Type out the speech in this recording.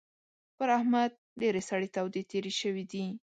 پر احمد ډېرې سړې تودې تېرې شوې دي.